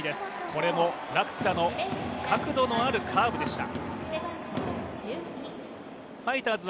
これも落差の、角度のあるカーブでした。